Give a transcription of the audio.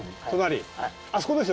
あそこですよね？